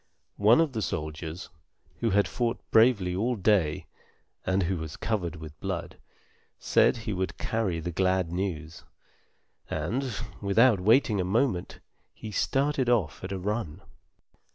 One of the soldiers, who had fought bravely all day, and who was covered with blood, said he would carry the glad news, and, without waiting a moment, he started off at a run.